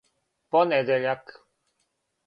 понедељак